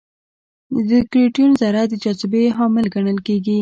د ګرویتون ذره د جاذبې حامل ګڼل کېږي.